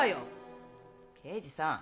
刑事さん。